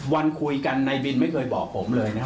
วันคุยกันนายบินไม่เคยบอกผมเลยนะครับ